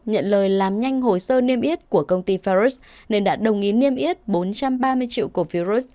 nhận lời làm nhanh hồ sơ niêm yết của công ty ferus nên đã đồng ý niêm yết bốn trăm ba mươi triệu cổ virus